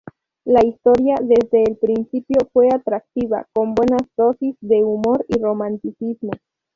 La historia desde el principio fue atractiva, con buenas dosis de humor y romanticismo.